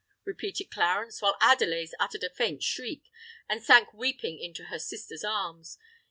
repeated Clarence, while Adelais uttered a faint shriek, and sank weeping into her sister's arms.